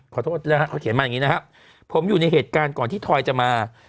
ขอโทษและเขียนมานี่นะครับผมอยู่ในเหตุการณ์ก่อนที่ทอยจะมา